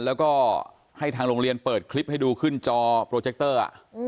แล้วก็ให้ทางโรงเรียนเปิดคลิปให้ดูขึ้นจอโปรเจคเตอร์